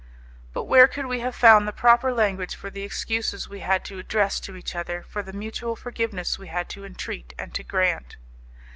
But where could we have found the proper language for the excuses we had to address to each other for the mutual forgiveness we had to entreat and to grant?